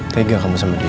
tegang kamu sama dia